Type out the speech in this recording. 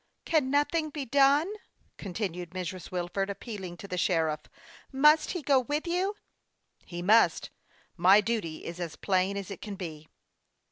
" Can nothing be done ?" continued Mrs. Wilford, appealing to the sheriff. "Must he go with you?" " He must ; my duty is as plain as it can be."